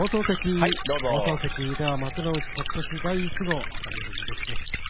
幕内勝ち越し第１号熱海富士関です。